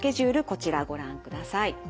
こちらご覧ください。